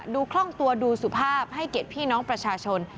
คล่องตัวดูสุภาพให้เกียรติพี่น้องประชาชน